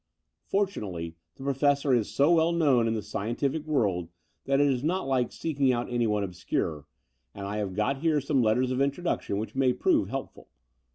Fortunately the Professor is so well known in the scientific world that it is not like seeking out anyone obscure; and I have got here some letters of introduction which may prove hdpful.